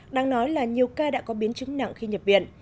đang nói là nhiều ca đã có biến chứng nặng khi nhập viện